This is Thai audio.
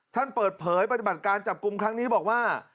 ท่านเปิดเผยปฏิบัติการจับกลุ่มครั้งนี้บอกว่า